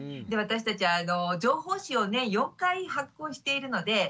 で私たちは情報誌をね４回発行しているので。